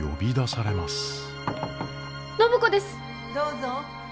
・どうぞ。